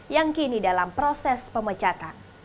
yang kini dalam proses pemecatan